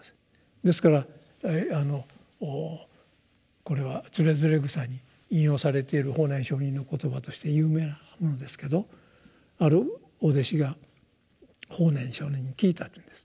ですからこれは「徒然草」に引用されている法然上人の言葉として有名なものですけどあるお弟子が法然上人に聞いたというんです。